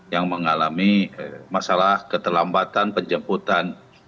yang mengalami masalah keterlambatan penjemputan